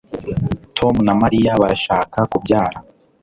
Tom na Mariya barashaka kubyara